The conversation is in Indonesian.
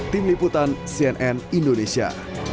tim liputan cnn indonesia